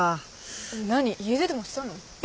何家出でもしたの？